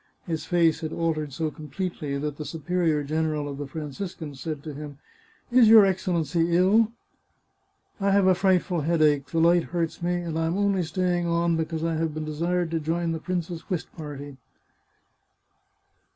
His face had altered so completely that the superior general of the Franciscans said to him :" Is your Excellency ill ?"" I have a frightful headache ... the light hurts me ... and I am only staying on because I have been desired to join the prince's whist party."